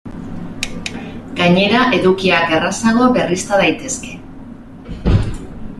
Gainera, edukiak errazago berrizta daitezke.